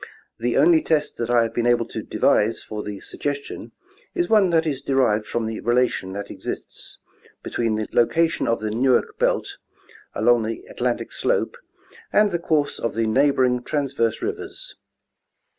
The only test that I have been able to devise for the suggestion is one that is derived from the relation that exists between the loca tion of the Newark belt along the Atlantic slope and the course of the neighboring transverse rivers.